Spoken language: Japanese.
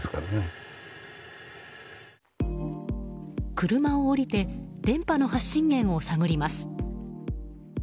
車を降りて電波の発信源を探ります。